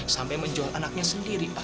sampai menjual anaknya sendiri pak